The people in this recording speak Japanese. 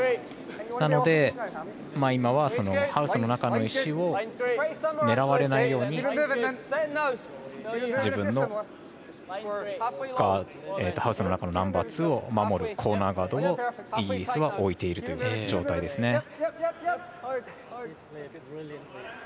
なので、今はハウスの中の石を狙われないように自分のハウスの中のナンバーツーを守る、コーナーガードをイギリスは置いているという状態ですね。